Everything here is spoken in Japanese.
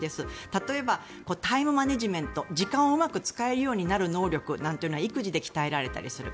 例えば、タイムマネジメント時間をうまく使えるようになる能力なんてのは育児で鍛えられたりする。